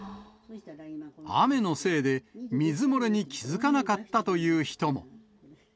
雨のせいで、水漏れに気付かなかったという人も。